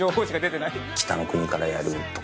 『北の国から』やるとか。